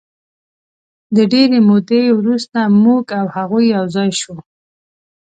د ډېرې مودې وروسته موږ او هغوی یو ځای شوو.